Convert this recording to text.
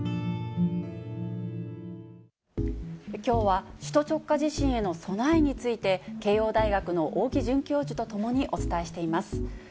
きょうは首都直下地震への備えについて、慶応大学の大木准教授とともにお伝えしています。